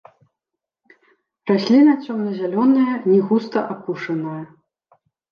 Расліна цёмна-зялёная, не густа апушаная.